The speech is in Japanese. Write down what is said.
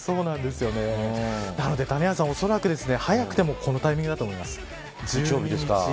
なので谷原さん、おそらく早くてもこのタイミングだと思います。